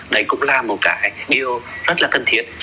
đấy cũng là một cái điều rất là cần thiết